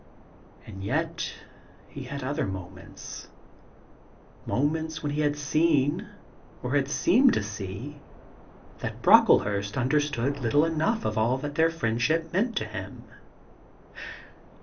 And yet he had had other moments — moments when he had seen, or had seemed to see, that Brocklehurst understood little enough of all that their friendship meant to him.